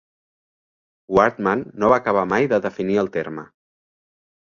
Wardman no va acabar mai de definir el terme.